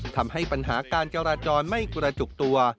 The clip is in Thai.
ทำให้ปัญหาการจราจรไม่กระจุกตัว